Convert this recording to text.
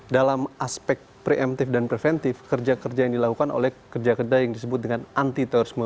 dalam aspek preemptif dan preventif kerja kerja yang dilakukan oleh kerja kerja yang disebut dengan anti terorisme